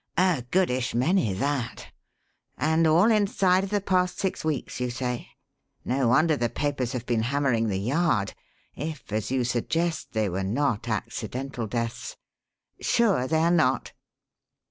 "A goodish many that. And all inside of the past six weeks, you say? No wonder the papers have been hammering the Yard, if, as you suggest, they were not accidental deaths. Sure they are not?"